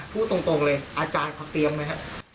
พูดตรงเลยอาจารย์เขาเตรียมไหมครับ